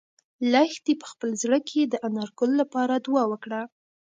لښتې په خپل زړه کې د انارګل لپاره دعا وکړه.